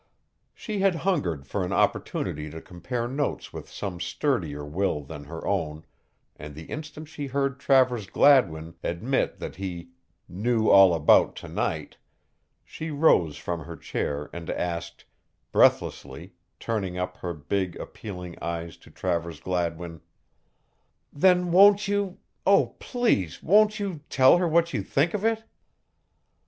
She had hungered for an opportunity to compare notes with some sturdier will than her own and the instant she heard Travers Gladwin admit that he "knew all about to night" she rose from her chair and asked, breathlessly, turning up her big, appealing eyes to Travers Gladwin: "Then won't you oh, please, won't you tell her what you think of it?"